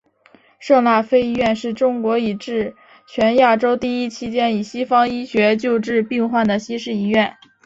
圣辣非医院是中国以至全亚洲第一间以西方医学救治病患的西式医院。